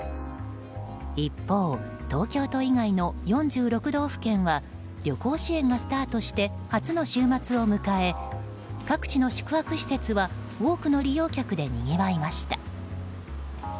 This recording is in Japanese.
一方、東京都以外の４６道府県は旅行支援がスタートして初の週末を迎え各地の宿泊施設は多くの利用客でにぎわいました。